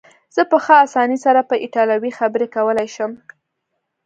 زه په ښه اسانۍ سره په ایټالوي خبرې کولای شم.